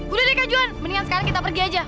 udah deh kak johan mendingan sekarang kita pergi aja